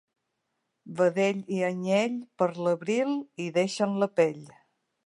Vedell i anyell per l'abril hi deixen la pell.